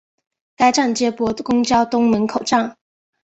该站接驳公交东门口站。